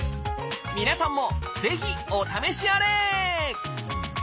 皆さんもぜひお試しあれ！